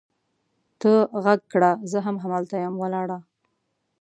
ته را ږغ کړه! زه هم هلته یم ولاړه